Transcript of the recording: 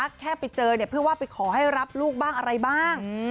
แค่ไปเจอเนี่ยเพื่อว่าไปขอให้รับลูกบ้างอะไรบ้าง